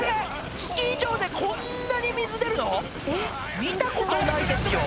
スキー場でこんなに水出るの見たことないですよ